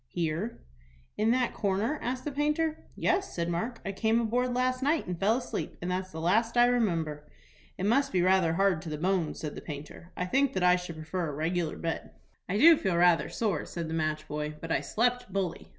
"Here." "In that corner?" asked the painter. "Yes," said Mark; "I came aboard last night, and fell asleep, and that's the last I remember." "It must be rather hard to the bones," said the painter. "I think that I should prefer a regular bed." "I do feel rather sore," said the match boy; "but I slept bully."